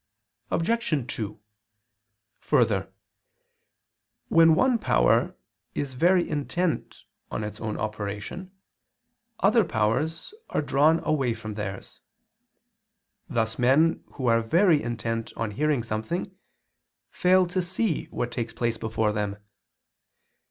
Obj. 2: Further, when one power is very intent on its own operation, other powers are drawn away from theirs; thus men who are very intent on hearing something fail to see what takes place before them.